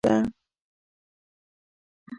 مځکه پرته له اوبو بېارزښته ده.